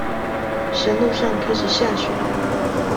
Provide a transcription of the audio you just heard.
山路上開始下雪